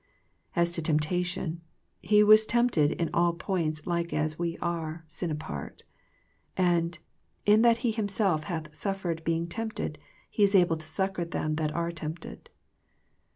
As to temptation, " He was tempted in all points like as we are, sin apart." And " In that He Himself hath suffered being tempted. He is able to succour them that are tempted."